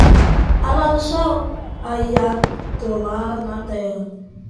Alá no céu, Aiatolá na Terra